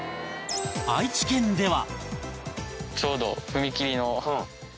愛知県では